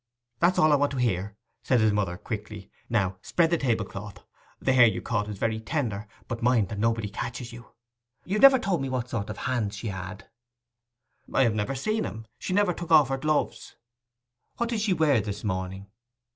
'That's all I want to hear,' said his mother quickly. 'Now, spread the table cloth. The hare you caught is very tender; but mind that nobody catches you.—You've never told me what sort of hands she had.' 'I have never seen 'em. She never took off her gloves.' 'What did she wear this morning?